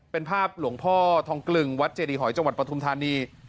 เป็นภาพหลวงพ่อทองกลึงวัดเจดีหอยจังหวัดปฐุมธานี